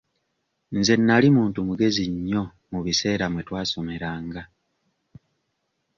Nze nali muntu mugezi nnyo mu biseera mwe twasomeranga.